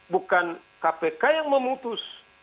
bukan kpk yang memutus